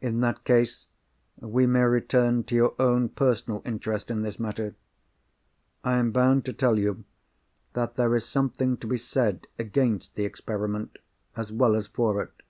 "In that case, we may return to your own personal interest in this matter. I am bound to tell you that there is something to be said against the experiment as well as for it.